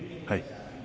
はい。